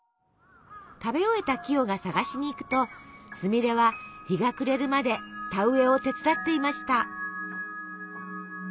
食べ終えたキヨが探しに行くとすみれは日が暮れるまで田植えを手伝っていました。